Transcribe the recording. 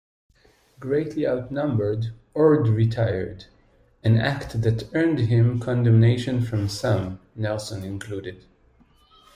Greatly outnumbered Orde retired, an act that earned him condemnation from some, Nelson included.